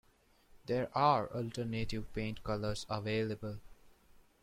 There are alternative paint colours available.